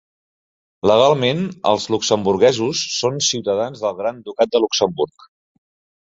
Legalment, els luxemburguesos són ciutadans del Gran Ducat de Luxemburg.